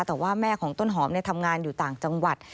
แต่ว่าแม่ของต้นหอมทำงานอยู่ต่างจังหวัด